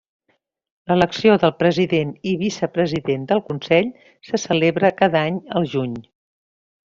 L'elecció del president i vicepresident del Consell se celebra cada any al juny.